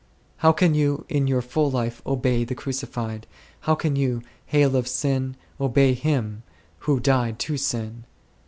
How can you in your full life obey the Crucified ? How can you, hale in sin, obey Him Who died to sin